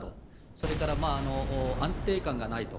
それから、安定感がないと。